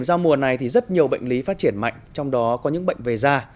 sau mùa này thì rất nhiều bệnh lý phát triển mạnh trong đó có những bệnh về da